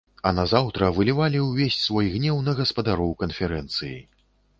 А назаўтра вылівалі ўвесь свой гнеў на гаспадароў канферэнцыі.